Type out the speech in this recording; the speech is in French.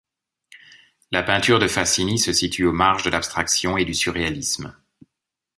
La peinture de Fasini se situe aux marges de l'abstraction et du surréalisme.